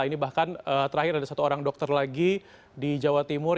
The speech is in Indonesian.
ini bahkan terakhir ada satu orang dokter lagi di jawa timur